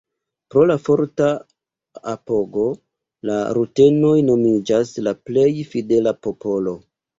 Pro la forta apogo la rutenoj nomiĝas la plej fidela popolo.